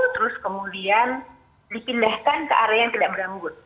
terus kemudian dipindahkan ke area yang tidak berambut